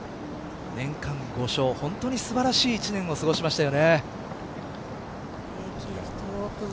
年間５勝、本当に素晴らしい一年を過ごしましたよね。